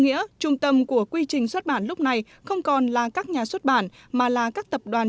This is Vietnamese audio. nghĩa trung tâm của quy trình xuất bản lúc này không còn là các nhà xuất bản mà là các tập đoàn